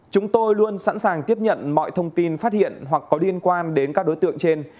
chúng tôi luôn sẵn sàng tiếp nhận mọi thông tin phát hiện hoặc có liên quan đến các đối tượng trên